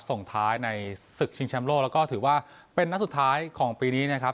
ส่งท้ายในศึกชิงแชมป์โลกแล้วก็ถือว่าเป็นนัดสุดท้ายของปีนี้นะครับ